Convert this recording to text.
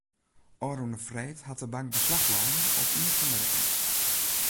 Ofrûne freed hat de bank beslach lein op ien fan de rekkens.